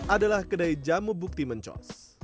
adalah kedai jamu bukti mencos